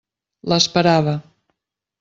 L'esperava.